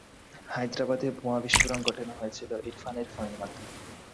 হায়দ্রাবাদে বোমা বিস্ফোরণ ঘটানো হয়েছিল ইরফানের ফোনের মাধ্যমে।